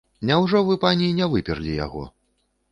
Няўжо ж вы, пані, не выперлі яго?